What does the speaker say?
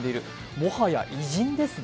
もはや偉人ですね。